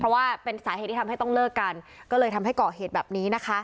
เพราะว่าเป็นสาเหตุที่ทำให้ต้องเลิกกันก็เลยทำให้เกาะเหตุแบบนี้นะคะ